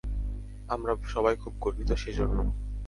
আমরা সবাই খুব গর্বিত সেজন্য।